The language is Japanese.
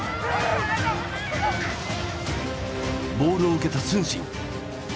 ボールを受けた承信。